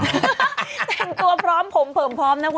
แต่งตัวผมพร้อมนะอุ้ย